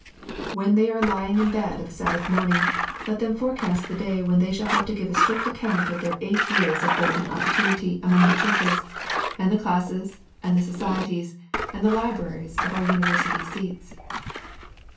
When they are lying in bed of a Sabbath morning, let them forecast the day when they shall have to give a strict account of their eight years of golden opportunity among the churches, and the classes, and the societies, and the libraries of our university seats.